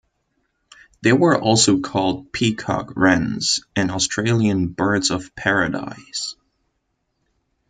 They were also called peacock-wrens and Australian birds-of-paradise.